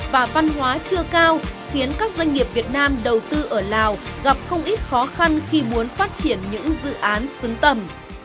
và văn hóa chưa cao khiến các doanh nghiệp việt nam đầu tư ở lào gặp không ít khó khăn khi muốn phát triển những dự án xứng tầm